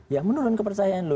yang menurun kepercayaan lo